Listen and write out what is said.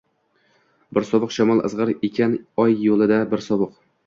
Bir sovuq shamol izgʼir ekan oy yoʼlida, bir sovuq…